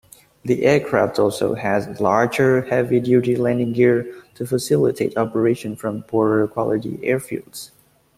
The aircraft also has larger, heavy-duty landing gear to facilitate operation from poorer-quality airfields.